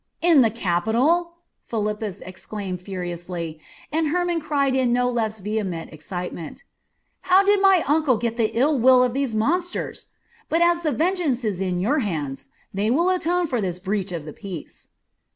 "In the capital!" Philippus exclaimed furiously, and Hermon cried in no less vehement excitement: "How did my uncle get the ill will of these monsters? But as the vengeance is in your hands, they will atone for this breach of the peace!"